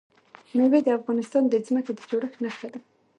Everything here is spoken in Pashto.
مېوې د افغانستان د ځمکې د جوړښت نښه ده.